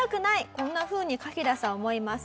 こんなふうにカキダさん思います。